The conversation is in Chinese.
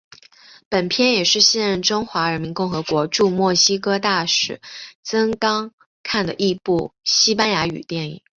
本片也是现任中华人民共和国驻墨西哥大使曾钢看的第一部西班牙语电影。